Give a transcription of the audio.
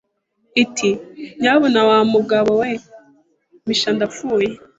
iti nyabuna wa mugabo we mpisha ndaptuye